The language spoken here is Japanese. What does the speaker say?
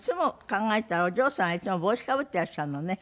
考えたらお嬢さんはいつも帽子かぶってらっしゃるのね。